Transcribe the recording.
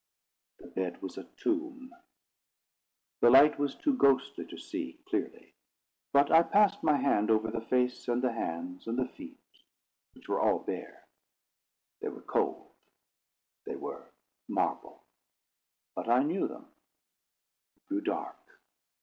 The bed was a tomb. The light was too ghostly to see clearly, but I passed my hand over the face and the hands and the feet, which were all bare. They were cold—they were marble, but I knew them. It grew dark.